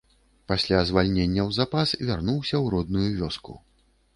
Пасля звальнення ў запас вярнуўся ў родную вёску.